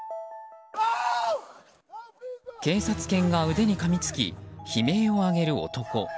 警察犬が腕にかみつき悲鳴を上げる男。